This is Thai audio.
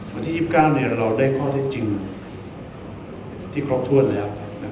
วันที่๒๙เราได้ข้อเท็จจริงที่ครบถ้วนแล้ว